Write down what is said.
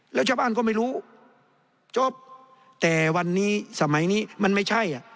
แล้วชาวบ้านก็ไม่รู้จบแต่วันนี้สมัยนี้มันไม่ใช่อ่ะ